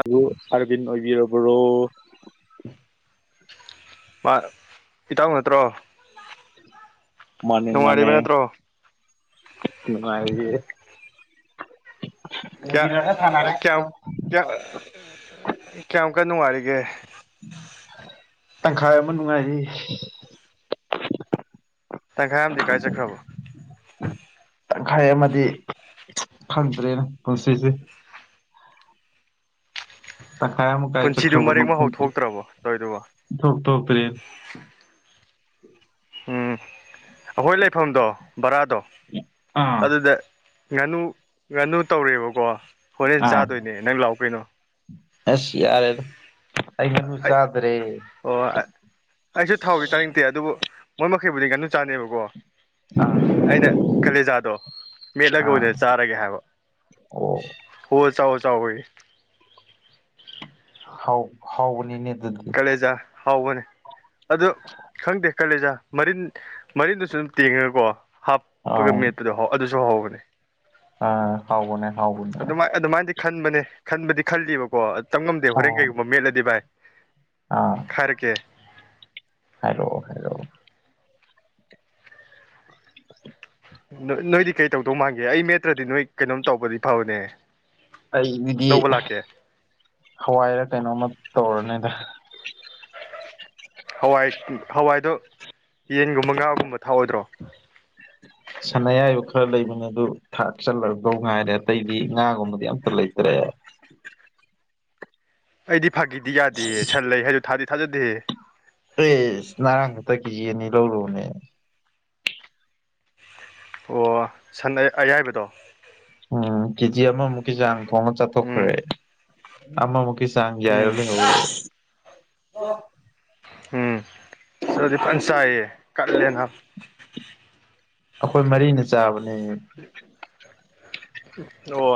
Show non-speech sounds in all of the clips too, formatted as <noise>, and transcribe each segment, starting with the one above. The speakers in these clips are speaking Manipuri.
ꯅꯨꯡꯉꯨ ꯑꯥꯔꯕꯤꯟ ꯑꯣꯏꯕꯤꯔꯕ꯭ꯔꯣ ꯃꯥ ꯇꯥꯎ ꯅꯠꯇ꯭ꯔꯣ ꯃꯥꯅꯦ ꯅꯨꯡꯉꯥꯏꯔꯤꯕ ꯃꯥꯅꯦ ꯅꯠꯇ꯭ꯔꯣ ꯅꯨꯡꯉꯥꯏꯔꯤꯌꯦ ꯂꯩꯕꯤꯔꯒ ꯁꯥꯟꯅꯔꯦ ꯀꯌꯥꯝ ꯀꯌꯥ ꯀꯌꯥꯝ ꯀꯟ ꯅꯨꯡꯉꯥꯏꯔꯤꯒꯦ ꯇꯪꯈꯥꯏ ꯑꯃ ꯅꯨꯡꯉꯥꯏꯔꯤ ꯇꯪꯈꯥꯏ ꯑꯃꯗꯤ ꯀꯥꯏ ꯆꯠꯈ꯭ꯔꯕ ꯇꯪꯈꯥꯏ ꯑꯃꯗꯤ ꯈꯪꯗ꯭ꯔꯦꯗ ꯄꯨꯟꯁꯤꯁꯦ ꯇꯥꯡꯈꯥꯏ ꯑꯃ ꯀꯥꯏ ꯄꯨꯟꯁꯤꯗꯨ ꯆꯠꯈ꯭ꯔꯕꯅꯣ ꯃꯔꯦꯛ ꯃꯍꯥꯎ ꯈꯪꯗꯦ ꯊꯣꯛꯇ꯭ꯔꯕꯣ ꯇꯧꯔꯤꯗꯨꯕꯣ ꯏꯊꯣꯛ ꯊꯣꯛꯇ꯭ꯔꯦꯅꯦ ꯎꯝ ꯑꯩꯈꯣꯏ ꯂꯩꯐꯝꯗꯣ ꯕꯔꯥꯗꯣ ꯑꯥ ꯑꯗꯨꯗ ꯉꯥꯅꯨ ꯉꯥꯅꯨ ꯇꯧꯔꯦꯕꯀꯣ ꯍꯣꯔꯦꯟ ꯑꯥ ꯆꯥꯗꯣꯏꯅꯦ ꯅꯪ ꯂꯥꯛꯑꯣ ꯀꯩꯅꯣ ꯑꯁ ꯌꯥꯔꯦꯗ ꯑꯩ ꯉꯥꯅꯨ ꯆꯥꯗ꯭ꯔꯦ ꯑꯣ ꯑꯩꯁꯨ ꯊꯥꯎꯗꯤ ꯆꯥꯅꯤꯡꯇꯦ ꯑꯗꯨꯕꯨ ꯃꯣꯏ ꯃꯈꯩꯕꯨꯗꯤ ꯉꯥꯅꯨ ꯆꯥꯅꯦꯕꯀꯣ ꯑꯥ ꯑꯩꯅ ꯀꯂꯦꯖꯥꯗꯣ ꯃꯦꯠꯂꯒ ꯑꯥ ꯑꯣꯏꯅ ꯆꯥꯔꯒꯦ ꯍꯥꯏꯕ ꯑꯣ ꯍꯣ ꯆꯥꯑꯣ ꯆꯥꯑꯣꯌꯦ ꯍꯥꯎ ꯍꯥꯎꯕꯅꯤꯅꯦ ꯑꯗꯨꯗꯤ ꯀꯂꯦꯖꯥ ꯍꯥꯎꯕꯅꯦ ꯑꯗꯣ ꯈꯪꯗꯦ ꯀꯂꯦꯖꯥ ꯃꯔꯤꯟ ꯃꯔꯤꯟꯗꯨꯁꯨ ꯑꯗꯨꯝ ꯇꯦꯡꯉꯒꯀꯣ ꯍꯥꯞꯄꯒ ꯑꯥ ꯃꯦꯠꯄꯗꯣ ꯑꯗꯨꯁꯨ ꯍꯥꯎꯕꯅꯤ ꯑ ꯍꯥꯎꯕꯅꯦ ꯍꯥꯎꯕꯅꯦ ꯑꯗꯨꯃꯥꯏ ꯑꯗꯨꯃꯥꯏꯅꯗꯤ ꯈꯟꯕꯅꯦ ꯈꯟꯕꯗꯤ ꯈꯜꯂꯤꯕꯀꯣ ꯇꯝꯉꯝꯗꯦ ꯑꯥ ꯍꯣꯔꯦꯟ ꯀꯩꯒꯨꯝꯕ ꯃꯦꯠꯂꯗꯤ ꯚꯥꯏ ꯑꯥ ꯍꯥꯏꯔꯛꯀꯦ ꯍꯥꯏꯔꯛꯑꯣ ꯍꯥꯏꯔꯛꯑꯣ ꯅꯣꯏ ꯅꯣꯏꯗꯤ ꯀꯩ ꯇꯧꯗꯧ ꯃꯥꯟꯒꯦ ꯑꯩ ꯃꯦꯠꯇ꯭ꯔꯗꯤ ꯅꯣꯏ ꯀꯩꯅꯣꯝ ꯇꯧꯕꯗꯤ ꯐꯕꯅꯦ ꯑꯩꯒꯤꯗꯤ ꯂꯧꯕ ꯂꯥꯛꯀꯦ ꯍꯋꯥꯏꯔ ꯀꯩꯅꯣꯃ ꯇꯧꯔꯅꯤꯗ ꯍꯋꯥꯏ ꯍꯋꯥꯏꯗꯣ ꯌꯦꯟꯒꯨꯝꯕ ꯉꯥꯒꯨꯝꯕ ꯊꯥꯛꯑꯣꯏꯗ꯭ꯔꯣ <unintelligible> ꯁꯟ ꯑꯌꯥꯏꯕ ꯈꯔ ꯂꯩꯕꯅꯦ ꯑꯗꯨ ꯊꯥꯛ ꯆꯜꯂꯗꯧ ꯉꯥꯏꯔꯦ ꯑꯇꯩꯗꯤ ꯉꯥꯒꯨꯝꯕꯗꯤ ꯑꯝꯇ ꯂꯩꯇ꯭ꯔꯦ ꯑꯩꯗꯤ ꯐꯥꯒꯤꯗꯤ ꯌꯥꯗꯤꯌꯦ ꯁꯟ ꯂꯩ ꯍꯥꯏꯗꯣ ꯊꯥꯗꯤ ꯊꯥꯖꯗꯦ ꯏꯁ ꯉꯔꯥꯡ ꯈꯛꯇ ꯀꯦꯖꯤ ꯑꯅꯤ ꯂꯧꯔꯨꯕꯅꯦ ꯑꯣ ꯁꯟ ꯑ ꯑꯌꯥꯏꯕꯗꯣ ꯎꯝ ꯀꯦꯖꯤ ꯑꯃꯃꯨꯛꯀꯤ ꯆꯥꯡ ꯊꯣꯡꯉ ꯎꯝ ꯆꯥꯊꯣꯛꯈ꯭ꯔꯦ ꯑꯃ ꯃꯨꯛꯀꯤ ꯆꯥꯡ ꯌꯥꯏꯔ ꯎꯝ ꯂꯩꯍꯧꯔꯦ ꯎꯝ ꯆꯥꯗꯤ ꯐꯟ ꯆꯥꯏꯌꯦ ꯀꯜꯂꯦ ꯅꯥꯕ ꯑꯩꯈꯣꯏ ꯃꯔꯤꯅ ꯆꯥꯕꯅꯦ ꯑꯣ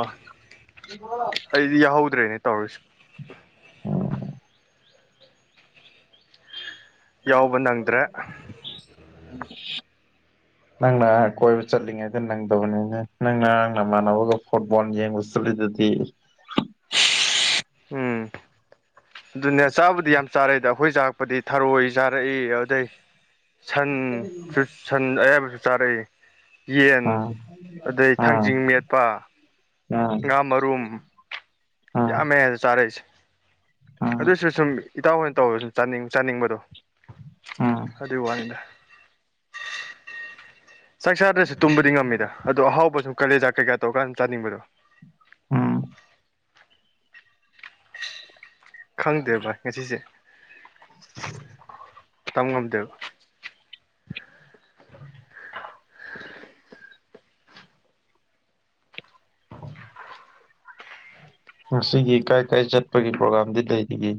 ꯍꯣ ꯁꯤꯗꯤ ꯌꯥꯎꯍꯧꯗ꯭ꯔꯦꯅꯦ ꯇꯧꯔꯤꯁꯦ ꯎꯝ ꯌꯥꯎꯕ ꯅꯪꯗ꯭ꯔꯦ ꯎ <unintelligible> ꯅꯪꯅ ꯀꯣꯏꯕ ꯆꯠꯂꯤꯉꯩꯗ ꯅꯪꯗꯕꯅꯤꯅꯦ ꯅꯪꯉꯔꯥꯡ ꯅꯃꯥꯟꯅꯕꯒ ꯐꯨꯠꯕꯣꯜ ꯌꯦꯡꯕ ꯆꯠꯂꯤꯗꯨꯗꯤ ꯎꯝ ꯑꯗꯨꯅꯦ ꯆꯥꯕꯨꯗꯤ ꯌꯥꯝ ꯆꯥꯔꯦꯗ ꯑꯩꯈꯣꯏ ꯆꯥꯛꯄꯗꯤ ꯊꯔꯣꯏ ꯆꯥꯔꯛꯏ ꯑꯗꯩ ꯁꯟꯁꯨ ꯁꯟ ꯑꯌꯥꯏꯕꯁꯨ ꯆꯥꯔꯛꯑꯦ ꯌꯦꯟ ꯎꯝ ꯑꯗꯩ ꯎꯝ ꯊꯥꯡꯖꯤꯡ ꯃꯦꯠꯄ ꯎꯝ ꯉꯥ ꯃꯔꯨꯝ ꯎꯝ ꯌꯥꯝꯃꯦ ꯑꯥꯗ ꯆꯥꯔꯛꯏꯁꯦ ꯎꯝ ꯑꯗꯨꯁꯨ ꯁꯨꯝ ꯏꯇꯥꯎ ꯍꯣꯏꯅ ꯇꯧꯔ ꯁꯨꯝ ꯆꯥꯅꯤꯡ ꯆꯥꯅꯤꯡꯕꯗꯣ ꯎꯝ ꯑꯗꯨꯏ ꯋꯥꯅꯤꯗ ꯆꯥꯛ ꯆꯥꯗ꯭ꯔꯁꯨ ꯇꯨꯝꯕꯗꯤ ꯉꯝꯃꯤꯗ ꯑꯗꯣ ꯑꯍꯥꯎꯕ ꯁꯨꯝ ꯀꯂꯦꯖꯥ ꯀꯩꯀꯥ ꯇꯧꯔꯀꯥꯟꯗ ꯆꯥꯅꯤꯡꯕꯗꯣ ꯎꯝ ꯈꯪꯗꯦ ꯚꯥꯏ ꯉꯁꯤꯁꯦ ꯇꯝ ꯉꯝꯗꯦꯕ <unintelligible> ꯉꯁꯤꯒꯤ ꯀꯥꯏ ꯀꯥꯏ ꯆꯠꯄꯒꯤ ꯄ꯭ꯔꯣꯒꯥꯝꯗꯤ ꯂꯩꯔꯤꯒꯦ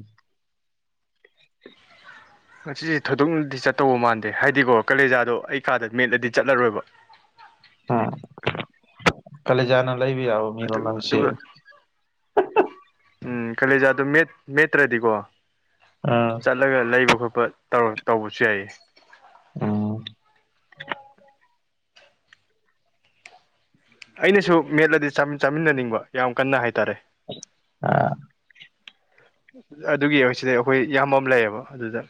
ꯉꯁꯤꯁꯦ ꯊꯣꯏꯗꯣꯛꯅꯗꯤ ꯆꯠꯇꯧꯕ ꯃꯥꯟꯗꯦ ꯍꯥꯏꯗꯤꯀꯣ ꯀꯂꯦꯖꯥꯗꯣ ꯑꯩ ꯀꯥꯗ ꯃꯦꯠꯂꯗꯤ ꯆꯠꯂꯔꯣꯏꯕ ꯎꯝ ꯀꯂꯦꯖꯥꯅ ꯂꯩꯕ ꯌꯥꯕꯥ ꯑꯗꯨ ꯑꯗꯨꯒ ꯎꯝ ꯀꯂꯦꯖꯥꯗꯣ ꯃꯦꯠ ꯃꯦꯠꯇ꯭ꯔꯗꯤꯀꯣ ꯑꯥ ꯆꯠꯂꯒ ꯂꯩꯕ ꯈꯣꯠꯄ ꯇꯧꯔ ꯇꯧꯕꯁꯨ ꯌꯥꯏꯌꯦ ꯑꫭ ꯑꯩꯅꯁꯨ ꯃꯦꯠꯂꯗꯤ ꯆꯥꯃꯤꯟꯅꯅꯤꯡꯕ ꯌꯥꯝ ꯀꯟꯅꯥ ꯍꯥꯏꯇꯥꯔꯦ ꯑꯥ ꯑꯗꯨꯒꯤ ꯁꯤꯗꯩ ꯑꯩꯈꯣꯏ ꯏꯌꯥꯝꯕ ꯑꯃ ꯂꯩꯌꯦꯕ ꯑꯗꯨꯗ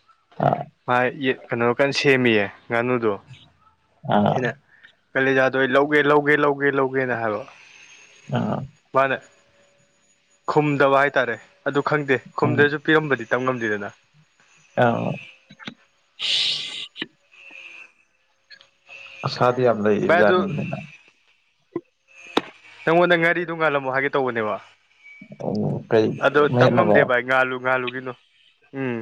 ꯃꯥ ꯌꯦ ꯀꯩꯅꯣ ꯀꯟꯅꯥ ꯁꯦꯝꯃꯤꯌꯦ ꯉꯥꯅꯨꯗꯣ ꯑꯥ ꯀꯂꯖꯥꯗꯣ ꯑꯩ ꯂꯧꯒꯦ ꯂꯧꯒꯦ ꯂꯧꯒꯦ ꯂꯧꯒꯦꯅ ꯍꯥꯏꯕ ꯑꯥ ꯃꯥꯅ ꯈꯨꯝꯗꯕꯥ ꯍꯥꯏꯇꯥꯔꯦ ꯑꯗꯨ ꯈꯪꯗꯦ ꯈꯨꯝꯗ꯭ꯔꯁꯨ ꯄꯤꯔꯝꯕꯗꯤ ꯇꯝꯉꯝꯗꯦꯗꯅ ꯑ <unintelligible> ꯑꯁꯥꯗꯤ ꯌꯥꯝ ꯚꯥꯏ ꯑꯗꯨ ꯂꯩꯔꯤꯕꯖꯥꯠꯅꯤꯗꯅꯥ ꯅꯪꯉꯣꯟꯗ ꯉꯥꯔꯤꯗꯨ ꯉꯥꯜꯂꯝꯃꯣ ꯍꯥꯏꯒꯦ ꯇꯧꯕꯅꯦꯕ ꯀꯩ ꯑꯗꯣ ꯃꯌꯦꯠꯅꯕ ꯇꯝꯉꯝꯗꯦ ꯚꯥꯏ ꯉꯥꯜꯂꯨ ꯉꯥꯜꯂꯨꯒꯤꯅꯣ ꯎꯝ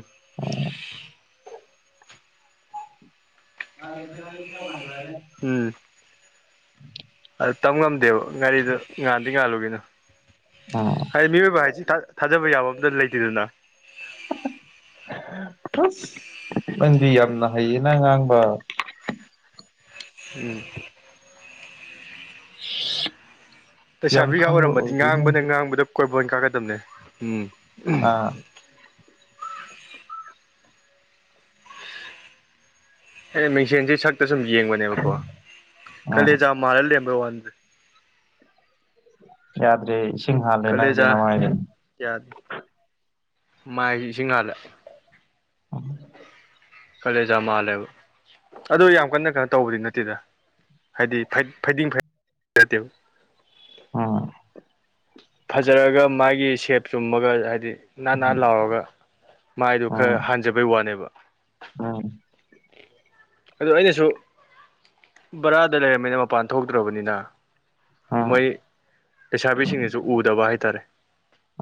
ꯎꯝ ꯑꯗꯨ ꯇꯝ ꯉꯝꯗ‌ꯦꯕꯥ ꯉꯔꯤꯗꯨ ꯉꯥꯟꯗꯤ ꯉꯥꯜꯂꯨꯒꯤꯅꯨ ꯑꯥ ꯍꯥꯏꯗꯤ ꯃꯤꯑꯣꯏꯕ ꯍꯥꯏꯁꯤ ꯊꯥꯖꯕ ꯌꯥꯕ ꯑꯝꯇ ꯂꯩꯇꯦꯗꯅ ꯑꯁ ꯅꯪꯗꯤ ꯌꯥꯝꯅ ꯍꯩꯌꯦ ꯉꯥꯡꯕ <unintelligible> <unintelligible> ꯌꯥꯝ ꯂꯩꯁꯥꯕꯤꯒ ꯈꯪꯕ ꯑꯣꯏꯔꯝꯃꯗꯤ ꯑꯣꯏꯗꯣꯏꯅꯦ ꯉꯥꯡꯕꯅꯥ ꯉꯥꯡꯕꯗ ꯀꯣꯡꯒꫭꯟ ꯀꯥꯀꯗꯕꯅꯦ ꯎꯝ ꯑ ꯑꯩꯅ ꯃꯤꯡꯁꯦꯟꯁꯦ ꯁꯛꯇ ꯁꯨꯝ ꯌꯦꯡꯕꯅꯦꯕꯀꯣ ꯎꯝ ꯈꯂꯦꯖꯥ ꯃꯥꯜꯂ ꯂꯔꯕꯔ ꯋꯥꯟꯁꯦ ꯌꯥꯗ꯭ꯔꯦ ꯏꯁꯤꯡ ꯍꯥꯜꯂꯦ ꯅꯪꯗꯤ ꯅꯃꯥꯥꯏꯗꯣ ꯀꯌꯥ ꯃꯥꯏꯁꯤꯡ ꯍꯥꯜꯂꯦ ꯑꯥ ꯀꯂꯦꯖ ꯃꯥꯜ ꯂꯩꯕ ꯑꯗꯨ ꯌꯥꯝ ꯀꯟꯅ ꯀꯩꯅꯣ ꯇꯧꯕꯗꯤ ꯅꯠꯇꯦꯗ ꯍꯥꯏꯗꯤ ꯐꯩ ꯐꯩꯗꯤꯡ ꯐꯡ ꯅꯠꯇꯦꯕ ꯑꯣ ꯐꯖꯔꯒ ꯃꯥꯒꯤ ꯁꯦꯞ ꯆꯨꯝꯃꯒ ꯍꯥꯏꯗꯤ ꯅꯥꯟꯅꯟ ꯂꯥꯎꯔꯒ ꯃꯥꯏꯗꯣ ꯈꯔ ꯍꯥꯟꯖꯕꯩ ꯋꯥꯅꯦꯕ ꯑꯥ ꯑꯗꯨ ꯑꯩꯅꯁꯨ ꯕꯔꯥꯗ ꯂꯩꯔꯝꯃꯤꯅ ꯃꯄꯥꯟ ꯊꯣꯛꯇ꯭ꯔꯕꯅꯤꯅ ꯎꯝ ꯃꯣꯏ ꯂꯩꯁꯥꯕꯤꯁꯤꯡꯅꯁꯨ ꯎꯗꯕ ꯍꯥꯏꯇꯥꯔꯦ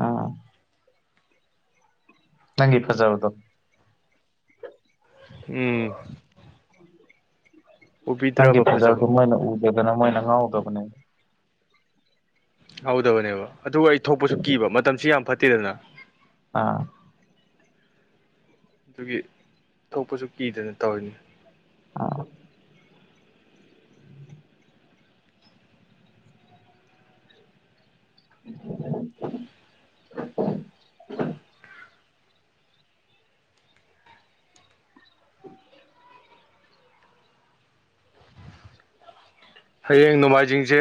ꯑꯥ ꯅꯪꯒꯤ ꯐꯖꯥꯕꯗꯣ ꯎꯝ ꯅꯪꯒꯤ ꯎꯕꯤꯗ꯭ꯔꯕ ꯐꯖꯕ ꯐꯖꯕꯗꯣ ꯃꯣꯏꯅ ꯎꯗꯗꯅ ꯃꯣꯏꯅ ꯉꯥꯎꯗꯕꯅꯦ ꯍꯧꯗꯕꯅꯦꯕ ꯑꯗꯨꯒ ꯑꯩ ꯊꯣꯛꯄꯁꯨ ꯀꯤꯕ ꯃꯇꯝꯁꯤ ꯌꯥꯝ ꯐꯠꯇꯦꯗꯅ ꯑꯥ ꯑꯗꯨꯒꯤ ꯊꯣꯛꯄꯁꯨ ꯀꯤꯗꯅ ꯇꯧꯔꯤꯅꯤ ꯑꯥ ꯎꯝ <inaudible> ꯍꯌꯦꯡ ꯅꯣꯡꯃꯥꯏꯖꯤꯡꯁꯦ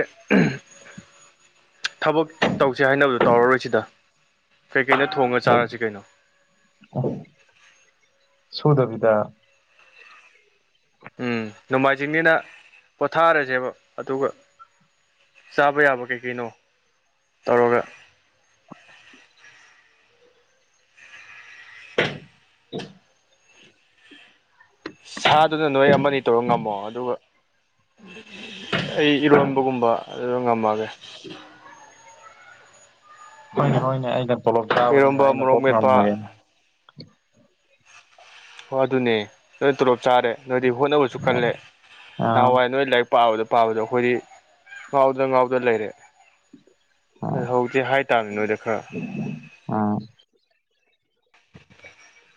ꯊꯕꯛ ꯇꯧꯁꯦ ꯍꯥꯏꯅꯕꯗꯣ ꯇꯧꯔꯔꯣꯏꯁꯤꯗ ꯀꯩꯀꯩꯅ ꯊꯣꯡꯉ ꯆꯥꯔꯁꯤ ꯀꯩꯅꯣ ꯁꯨꯗꯕꯤꯗ ꯎꯝ ꯅꯣꯡꯃꯥꯏꯖꯤꯡꯅꯤꯅ ꯄꯣꯊꯥꯔꯁꯦꯕ ꯑꯗꯨꯒ ꯆꯥꯕ ꯌꯥꯕ ꯀꯩ ꯀꯩꯅꯣ ꯇꯧꯔꯒ <inaudible> ꯁꯥꯗꯨꯅ ꯅꯣꯏ ꯑꯃꯅꯤ ꯇꯧꯔ ꯉꯝꯃꯣ ꯑꯗꯨꯒ ꯑꯩ ꯏꯔꯣꯟꯕꯒꯨꯝꯕ ꯑꯗꯨ ꯉꯝꯃꯒꯦ ꯍꯣꯏꯅꯦ ꯍꯣꯏꯅꯦ ꯑꯩꯅ ꯇꯣꯂꯣꯞ ꯆꯥꯕꯅꯤꯅ ꯏꯔꯣꯟꯕ ꯑꯩꯅ ꯃꯣꯔꯣꯛ ꯀꯣꯛ ꯃꯦꯠꯄ ꯉꯝꯃꯒꯦ ꯍꯣ ꯑꯗꯨꯅꯦ ꯅꯣꯏ ꯇꯣꯂꯣꯞ ꯆꯥꯔꯦ ꯅꯣꯏꯗꯤ ꯍꯣꯠꯅꯕꯁꯨ ꯀꯜꯂꯦ ꯑꯥ ꯅꯍꯥꯟꯋꯥꯏ ꯅꯣꯏ ꯂꯥꯏꯔꯤꯛ ꯄꯥꯕꯗ ꯄꯥꯕꯗꯣ ꯑꯩꯈꯣꯏꯗꯤ ꯉꯥꯎꯗ ꯉꯥꯎꯗ ꯂꯩꯔꯦ ꯑꯥ ꯑꯦ ꯍꯧꯛꯇꯤ ꯍꯥꯏꯇꯥꯝꯅꯤ ꯅꯣꯏꯗ ꯈꯔ ꯑꯥ <inaudible>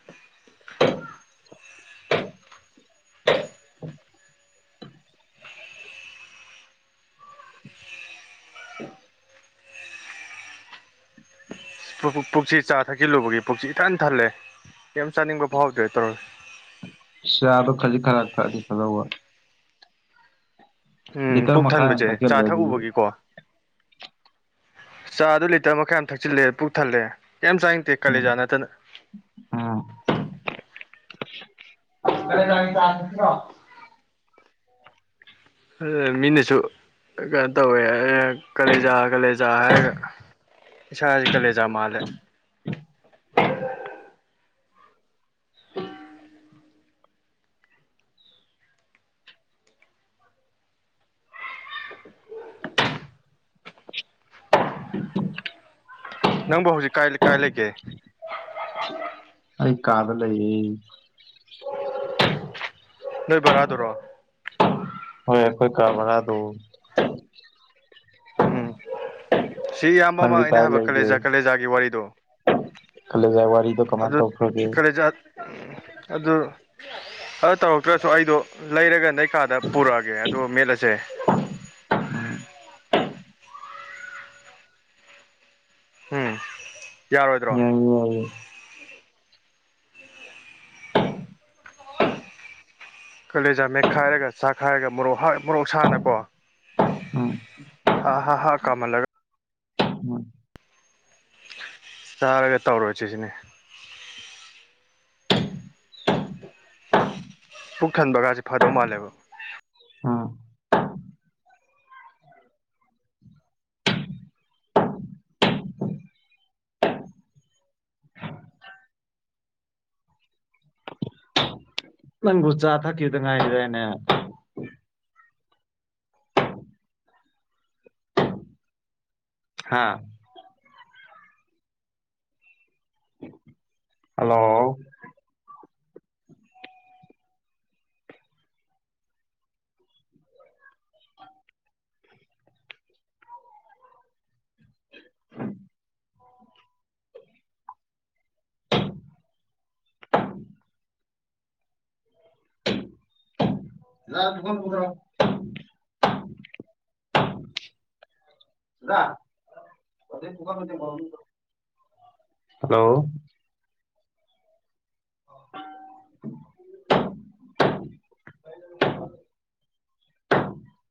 <inaudible> ꯄꯔꯨ ꯄꯔꯨꯛ ꯄꯨꯛꯁꯤ ꯆꯥ ꯊꯛꯆꯜꯂꯨꯕꯒꯤ ꯄꯨꯛꯁꯤ ꯏꯊꯟ ꯊꯜꯂꯦ ꯀꯦꯌꯥꯝ ꯆꯥꯅꯤꯡꯕ ꯐꯥꯎꯗꯦ ꯇꯧꯔꯁꯤ ꯆꯗꯣ ꯈꯖꯤꯛ ꯈꯔ ꯊꯛꯑꯥꯗꯤ ꯐꯥꯗꯧꯕ ꯎꯝ ꯂꯤꯇꯔ ꯄꯨꯛ ꯃꯈꯥꯏ ꯑꯃ ꯊꯟꯕꯁꯦ ꯊꯛꯆꯜꯂꯦ ꯆꯥ ꯑꯗꯨꯗꯤ ꯊꯛꯎꯕꯒꯤꯀꯣ ꯆꯥ ꯗꯨ ꯂꯤꯇꯔ ꯃꯈꯥꯏ ꯑꯥꯝ ꯊꯆꯤꯜꯂꯦ ꯄꯨꯛ ꯊꯜꯂꯦ ꯀꯏꯝ ꯆꯥꯅꯤꯡꯗꯦ ꯀꯥꯂꯦꯖꯥ ꯅꯠꯇꯅ ꯑꯥ <unintelligible> ꯑꯗꯨ ꯃꯤꯅꯁꯨ ꯀꯩꯅꯣ ꯇꯧꯋꯦ ꯀꯂꯦꯖꯥ ꯀꯥꯂꯦꯖꯥ ꯍꯥꯏꯔꯒ ꯏꯁꯥꯥꯁꯦ ꯀꯂꯦꯖꯥ ꯃꯥꯜꯂꯦ <unintelligible> <unintelligible> ꯅꯪꯕꯨ ꯍꯧꯖꯤꯛ ꯀꯥꯏ ꯀꯥꯏ ꯂꯩꯒꯦ ꯑꯩ ꯀꯥꯗ ꯂꯩꯌꯦ ꯅꯣꯏ ꯕꯥꯔꯥꯗꯨꯔꯣ ꯍꯣꯏ ꯑꯩꯈꯣꯏ ꯀꯥ ꯕꯥꯔꯥꯗꯣ ꯑꯝ ꯁꯤ ꯏꯌꯥꯝꯕ ꯑꯃ ꯅꯪꯗꯤ ꯑꯩꯅ ꯀꯥꯏ ꯍꯥꯏꯕ ꯀꯂꯦꯖꯥ ꯀꯂꯦꯖꯥꯒꯤ ꯋꯥꯔꯤꯗꯣ ꯀꯂꯦꯖ ꯋꯥꯔꯤꯗꯣ ꯀꯃꯥꯏꯟ ꯇꯧꯈ꯭ꯔꯒꯦ ꯑꯝ ꯑꯗꯨ ꯑꯗꯨ ꯇꯧꯔꯛꯇ꯭ꯔꯁꯨ ꯑꯩꯗꯣ ꯂꯩꯔꯒ ꯅꯩ ꯀꯥꯗ ꯄꯨꯔꯛꯑꯒꯦ ꯑꯗꯨꯒ ꯃꯦꯠꯂꯁꯦ ꯑꯝ ꯌꯥꯏꯌꯦ ꯌꯥꯏꯌꯦ <unintelligible> ꯀꯂꯦꯖꯥ ꯃꯦꯠꯈꯥꯏꯔꯒ ꯆꯥꯛꯈꯥꯏꯔꯒ ꯃꯣꯔꯣꯛ ꯃꯣꯔꯣꯛ ꯁꯥꯅꯀꯣ ꯎꯝ ꯍꯥ ꯍꯥ ꯀꯥꯝꯍꯜꯂꯒ ꯎꯝ ꯆꯥꯔꯒ ꯇꯧꯔꯁꯤꯁꯤꯅꯤ ꯄꯨꯛ ꯊꯟꯕꯒꯁꯦ ꯐꯥꯗꯧ ꯃꯥꯜꯂꯦꯕ ꯑꯝ ꯅꯪꯕꯨ ꯆꯥ ꯊꯛꯈꯤꯗ ꯉꯥꯏꯔꯤꯗꯥꯏꯅꯦ ꯍꯥꯥ ꯍꯜꯂꯣ <inaudible> <unintelligible> ꯗꯥꯗꯥ ꯑꯗꯨꯗꯩ ꯄꯨꯈꯝ ꯑꯝ ꯇꯦꯡꯀꯣꯠ ꯑꯝ ꯍꯜꯂꯣ <inaudible> <inaudible>